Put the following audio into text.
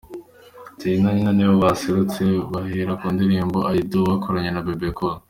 Charly& Nina nabo baserutse bahera ku ndirimbo 'I do' bakoranye na Bebe Cool.